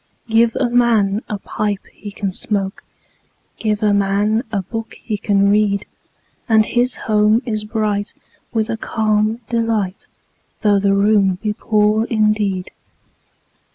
Give a man a pipe he can smoke, 5 Give a man a book he can read: And his home is bright with a calm delight, Though the room be poor indeed.